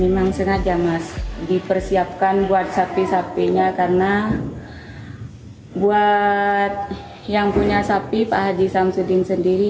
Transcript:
memang sengaja mas dipersiapkan buat sapi sapinya karena buat yang punya sapi pak haji samsudin sendiri